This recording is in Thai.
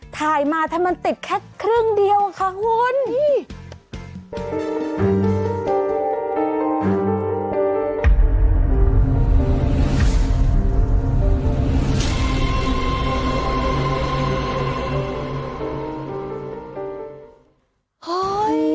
ถ่ายมาถ้ามันติดแค่ครึ่งเดียวค่ะโอ้โฮนี่